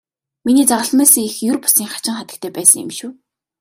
Миний загалмайлсан эх ер бусын хачин хатагтай байсан юм шүү.